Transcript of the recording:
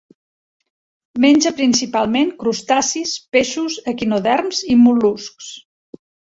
Menja principalment crustacis, peixos, equinoderms i mol·luscs.